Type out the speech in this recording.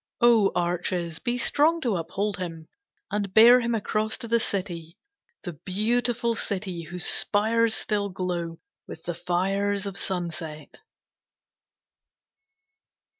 O Arches! be strong to uphold him, and bear him across to the city, The beautiful city whose spires still glow with the fires of sunset!